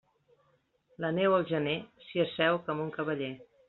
La neu al gener, s'hi asseu com un cavaller.